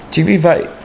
chính vì vậy